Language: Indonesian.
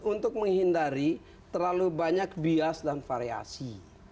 untuk menghindari terlalu banyak bias dan variasi